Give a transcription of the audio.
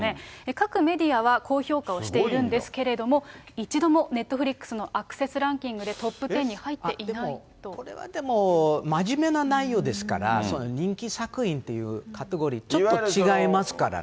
各メディアは、高評価をしているんですけれども、一度もネットフリックスのアクセスランキングでトップテンに入っこれはでも、真面目な内容ですから、人気作品というカテゴリーとちょっと違いますからね。